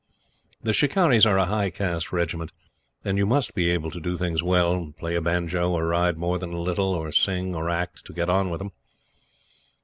The "Shikarris" are a high caste regiment, and you must be able to do things well play a banjo or ride more than a little, or sing, or act to get on with them.